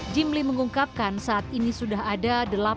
jimli mengungkapkan saat ini sudah ada